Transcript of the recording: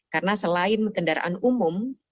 karena selain kendaraan umum